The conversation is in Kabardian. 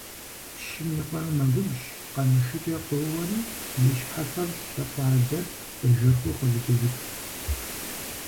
Пщым и къуэр мэгубжь, къамышыкӀэ къоуэри и щхьэфэр лъы къуалэр къежэхыу къызыгуеуд.